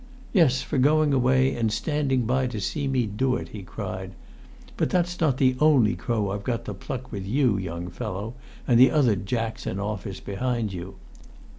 "Yes for going away and standing by to see me do it!" he cried. "But that's not the only crow I've got to pluck with you, young fellow, and the other jacks in office behind you.